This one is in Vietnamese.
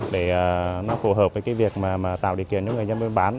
để nó phù hợp với việc tạo địa kiện cho người dân mới bán